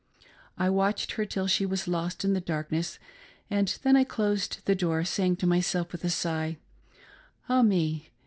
I watched her till she was lost in the darkness, and then I closed the door, saying to myself, with a sigh, " Ah me